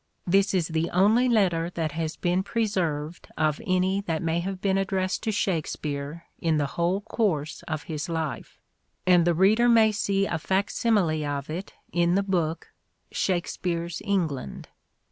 This is the only letter that has been preserved of any that may have been addressed to Shakspere in the whole course of his life, and the reader may see a facsimile of it in the book " Shakespeare's England."